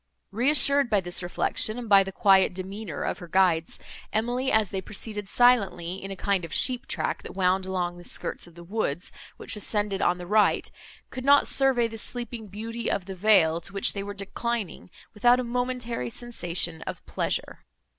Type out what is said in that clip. Reassured by this reflection, and by the quiet demeanour of her guides, Emily, as they proceeded silently, in a kind of sheep track, that wound along the skirts of the woods, which ascended on the right, could not survey the sleeping beauty of the vale, to which they were declining, without a momentary sensation of pleasure.